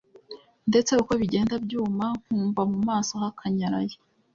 ndetse uko bigenda byuma nkumva mu maso hakanyaraye.